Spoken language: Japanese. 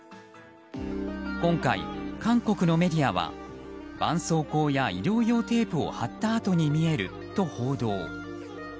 今回、韓国のメディアはばんそうこうや医療用テープを貼った跡に見えると報道。